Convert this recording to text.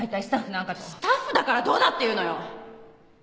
スタッフだからどうだって言うのよ！？